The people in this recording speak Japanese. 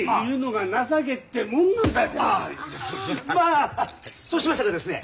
ああそうしましたらですね